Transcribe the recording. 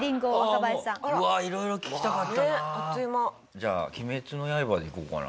じゃあ『鬼滅の刃』でいこうかな。